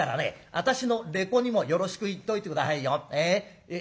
私のれこにもよろしく言っといて下さいよ。